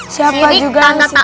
siapa juga yang sirik